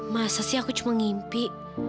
masa sih aku cuma ngimpi